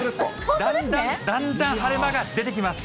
だんだん晴れ間が出てきます。